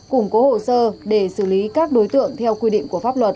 củng cố hồ sơ để xử lý các đối tượng theo quy định của pháp luật